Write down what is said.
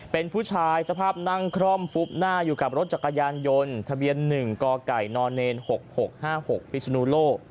เป็นผู้ชายสภาพนั่งคร่อมฟุบหน้าอยู่กับรถจักรยานยนต์ทะเบียน๑กไก่น๖๖๕๖พิศนุโลก